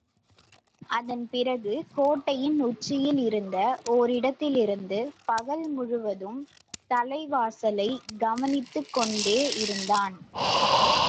அதன் பிறகு கோட்டையின் உச்சியில் இருந்த ஓரிடத்திலிருந்து பகல் முழுவதும் தலைவாசலைக் கவனித்துக் கொண்டேயிருந்தான்.